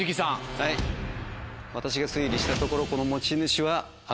はい私が推理したところこの持ち主は。